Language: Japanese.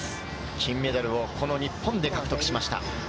金メダルをこの日本で獲得しました。